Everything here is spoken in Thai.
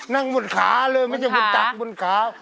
นั่งบนขาเลยไม่ใช่บนตักบนขา